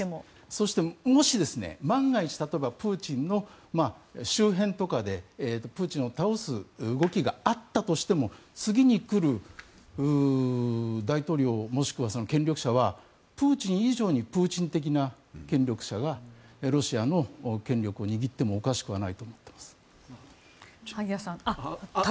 そしてもし万が一、プーチンの周辺でプーチンを倒す動きがあったとしても次に来る大統領もしくは権力者はプーチン以上にプーチン的な権力者がロシアの権力を握ってもおかしくはないと思っています。